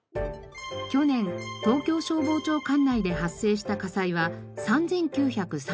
去年東京消防庁管内で発生した火災は３９３５件。